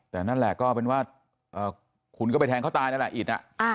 แต่นั่นแหละก็เป็นว่าคุณก็ไปแทงเขาตายนั่นแหละอิด